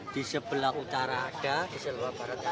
di sebelah utara ada di sebelah barat ada